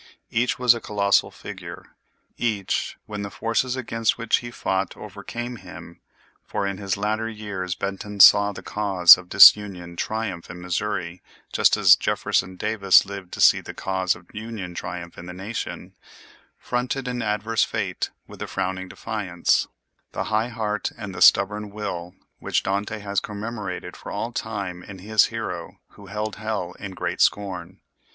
Each was a colossal figure. Each, when the forces against which he fought overcame him—for in his latter years Benton saw the cause of disunion triumph in Missouri, just as Jefferson Davis lived to see the cause of union triumph in the Nation—fronted an adverse fate with the frowning defiance, the high heart, and the stubborn will which Dante has commemorated for all time in his hero who "held hell in great scorn."